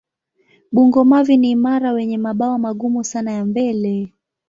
Bungo-mavi ni imara wenye mabawa magumu sana ya mbele.